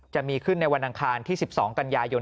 จะมีขึ้นในวันอังคารที่๑๒กันยายน